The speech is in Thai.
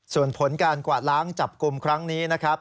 ส่วนผลการกวาดล้างจับกลุ่มครั้งนี้นะครับ